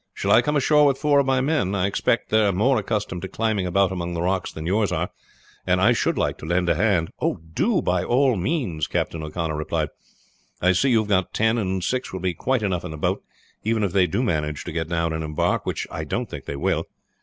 Shall I come ashore with four of my men? I expect they are more accustomed to climbing about among the rocks than yours are, and I should like to lend a hand." "Do, by all means," Captain O'Connor replied. "I see you have got ten, and six will be quite enough in the boat, even if they do manage to get down and embark, which I don't think they will.